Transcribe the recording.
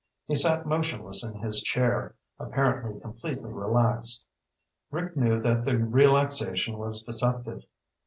He sat motionless in his chair, apparently completely relaxed. Rick knew that the relaxation was deceptive.